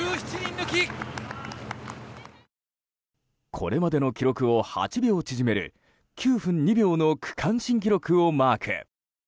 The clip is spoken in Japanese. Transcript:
これまでの記録を８秒縮める９分２秒の区間新記録をマーク。